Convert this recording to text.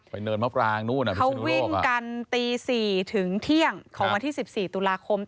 เขาวิ่งกันตี๔ถึงเที่ยงของวันที่๑๔ตุลาคม